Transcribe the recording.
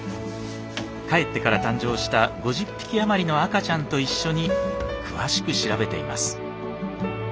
帰ってから誕生した５０匹余りの赤ちゃんと一緒に詳しく調べています。